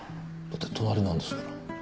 だって隣なんですから。